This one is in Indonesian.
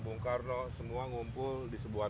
bung karno semua ngumpul di sebuah